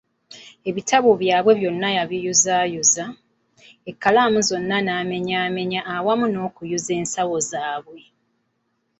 Ebitabo byabwe byonna yabiyuzayuza, ekkalaamu zonna n'amenyamenya awamu nokuyuza ensawo zaabwe.